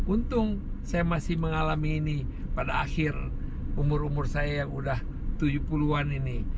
untung saya masih mengalami ini pada akhir umur umur saya yang udah tujuh puluh an ini